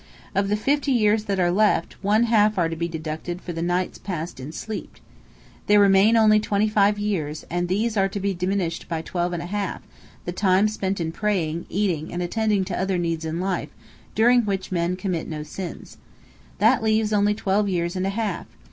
Of the fifty years that are left, one half are to be deducted for the nights passed in sleep. There remain only twenty five years, and these are to be diminished by twelve and a half, the time spent in praying, eating, and attending to other needs in life, during which men commit no sins. That leaves only twelve years and a half.